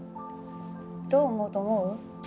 どう思うと思う？